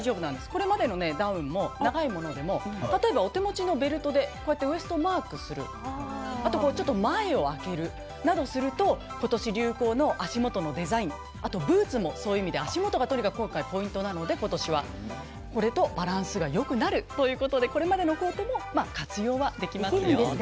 これまでのダウン長いものをお手持ちの方もベルトでウエストマークするあと、前を開けるなどすると今年流行の足元のデザインブーツもそういう意味では足元がとにかくポイントなので今年はバランスがよくなるということでこれまでのコートも活用できます。